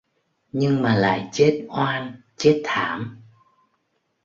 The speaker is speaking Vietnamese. Nhưng mà lại chết oan chết thảm